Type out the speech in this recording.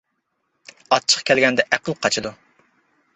ئاچچىق كەلگەندە ئەقىل قاچىدۇ.